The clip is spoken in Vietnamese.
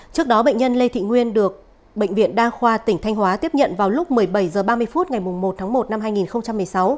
trước đó bệnh nhân lê thị nguyên được bệnh viện đa khoa tỉnh thanh hóa tiếp nhận vào lúc một mươi bảy h ba mươi phút ngày một tháng một năm hai nghìn một mươi sáu